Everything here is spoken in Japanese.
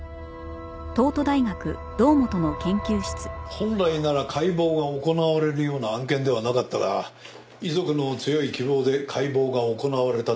本来なら解剖が行われるような案件ではなかったが遺族の強い希望で解剖が行われたと聞いている。